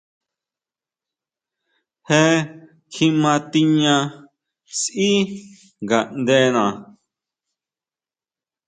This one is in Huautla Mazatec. Je kjima tiña sʼí ngaʼndena.